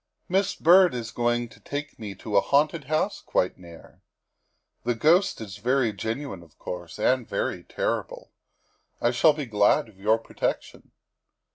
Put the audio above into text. " Miss Byrd is going to take me into a haunted house quite near. The ghost is very genuine, of course, and very terrible. I shall be glad of your protection."